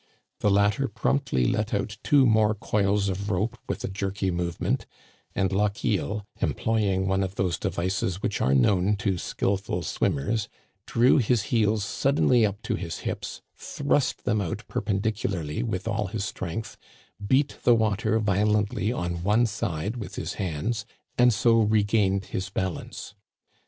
The latter promptly let out two more coils of rope with a jerky movement, and Lochiel, employing one of those devices which are known to skillful swimmers, drew his heels suddenly up to his hips, thrust them out perpen dicularly with all his strength, beat the water violently on one side with his hands, and so regained his balance.